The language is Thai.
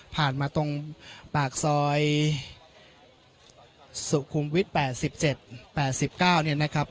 ผ่านมาตรงปากซอยสูงคุมวิทย์แปดสิบเจ็ดแปดสิบเก้าเนี่ยนะครับ